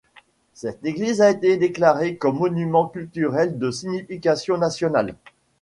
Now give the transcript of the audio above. Cette église a été déclarée comme monument culturel de signification nationale.